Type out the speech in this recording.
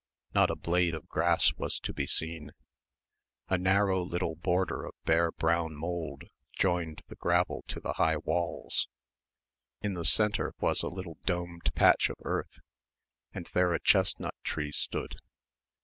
Not a blade of grass was to be seen. A narrow little border of bare brown mould joined the gravel to the high walls. In the centre was a little domed patch of earth and there a chestnut tree stood.